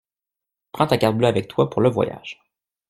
Prends ta carte bleue avec toi pour le voyage.